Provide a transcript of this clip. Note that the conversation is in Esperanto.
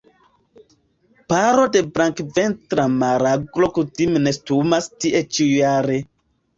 Paro de Blankventra maraglo kutime nestumas tie ĉiujare.